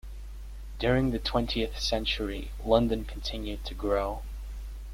During the twentieth century, London continued to grow.